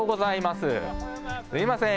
すみません。